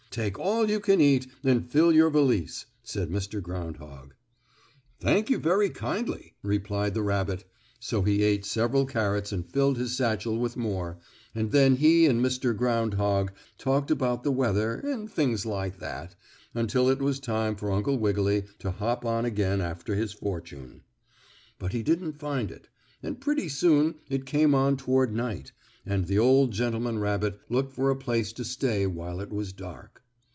"Take all you can eat and fill your valise," said Mr. Groundhog. "Thank you very kindly," replied the rabbit, so he ate several carrots and filled his satchel with more, and then he and Mr. Groundhog talked about the weather, and things like that, until it was time for Uncle Wiggily to hop on again after his fortune. But he didn't find it, and pretty soon it came on toward night, and the old gentleman rabbit looked for a place to stay while it was dark.